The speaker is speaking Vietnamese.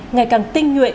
ngày càng tinh nhuệ